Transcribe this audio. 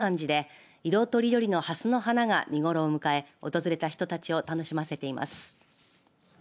尾道市瀬戸田町の耕三寺で色とりどりのハスの花が見頃を迎え訪れた人たちを楽しませています。